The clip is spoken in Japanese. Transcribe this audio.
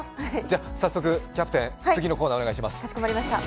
早速キャプテン、次のコーナー、お願いします。